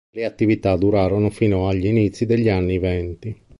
Le attività durarono fino agli inizi degli anni venti.